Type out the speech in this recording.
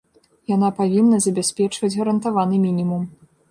Яна павінна забяспечваць гарантаваны мінімум.